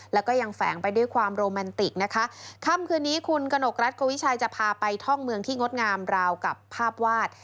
แล้วก็ยังแฝงไปด้วยความโรแมนติกนะคะค่ำคืนนี้คุณกนกรัฐโกวิชัยจะพาไปท่องเมืองที่งดงามราวกับภาพวาด